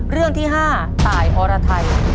เรื่องที่๕ตายอรไทย